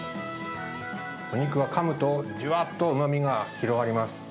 お肉はかむとじゅわっとうまみが広がります。